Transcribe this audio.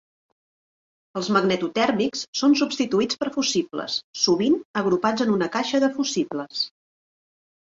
Els magnetotèrmics són substituïts per fusibles, sovint agrupats en una caixa de fusibles.